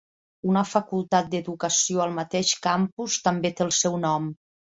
Una facultat d'educació al mateix campus també té el seu nom.